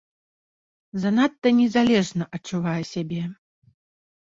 Занадта незалежна адчувае сябе.